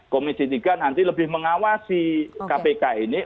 komisi tiga nanti lebih mengawasi kpk ini